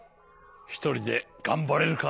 ひとりでがんばれるか？